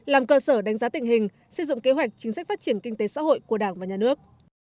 làm cơ sở đánh giá tình hình xây dựng kế hoạch chính sách phát triển kinh tế xã hội của đảng và nhà nước